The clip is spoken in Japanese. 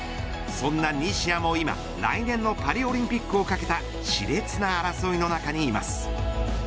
そんな西矢も今来年のパリオリンピックをかけたし烈な争いの中にいます。